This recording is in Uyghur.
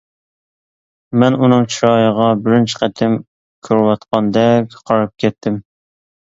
مەن ئۇنىڭ چىرايىغا بىرىنچى قېتىم كۆرۈۋاتقاندەك قاراپ كەتتىم.